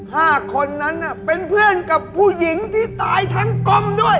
ห้าคนนั้นน่ะเป็นเพื่อนกับผู้หญิงที่ตายทั้งกลมด้วย